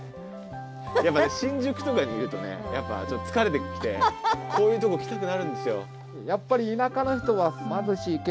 やっぱね新宿とかにいるとねやっぱちょっと疲れてきてこういうとこ来たくなるんですよ。